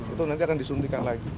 itu nanti akan disuntikan lagi